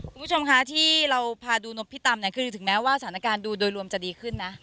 คุณผู้ชมคะที่เราพาดูนบพี่ตำเนี่ยคือถึงแม้ว่าสถานการณ์ดูโดยรวมจะดีขึ้นนะ